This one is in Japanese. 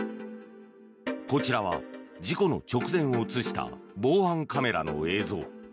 こちらは事故の直前を映した防犯カメラの映像。